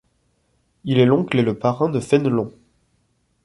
Il est l'oncle et le parrain de Fénelon.